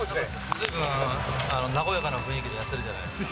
ずいぶん、なごやかな雰囲気でやってるじゃないですか。